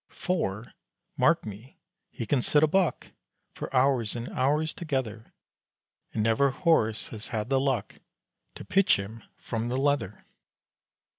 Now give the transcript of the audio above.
For, mark me, he can "sit a buck" For hours and hours together; And never horse has had the luck To pitch him from the leather.